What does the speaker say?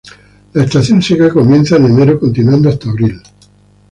La estación seca comienza en enero continuando hasta abril.